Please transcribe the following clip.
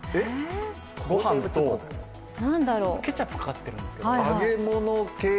ご飯と、ケチャップかかってるんですけど。